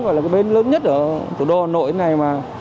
gọi là cái bến lớn nhất ở thủ đô hà nội